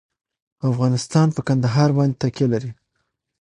افغانستان په کندهار باندې تکیه لري.